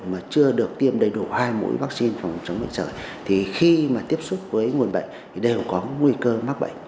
mà chưa được tiêm đầy đủ hai mũi vắc xin phòng chống bệnh sởi thì khi tiếp xúc với nguồn bệnh đều có nguy cơ mắc bệnh